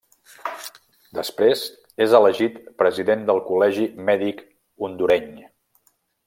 Després és elegit president del Col·legi Mèdic Hondureny.